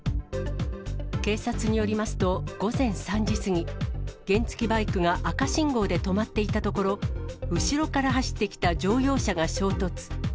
警察によりますと午前３時過ぎ、原付きバイクが赤信号で止まっていたところ、後ろから走ってきた乗用車が衝突。